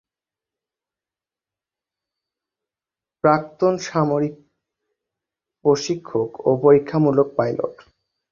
প্রাক্তন সামরিক প্রশিক্ষক ও পরীক্ষামূলক পাইলট।